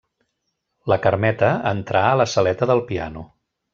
La Carmeta entrà a la saleta del piano.